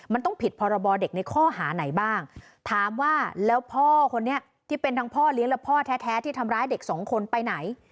มันต้องผิดพรบเด็กในข้อหาไหนบ้างถามว่าแล้วพ่อคนนี้ที่เป็นทั้งพ่อเลี้ยงและพ่อแท้ที่ทำร้ายเด็กสองคนไปไหน